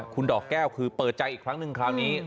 คุณดอกแก้วคือเปิดใจอีกครั้งหนึ่งคราวนี้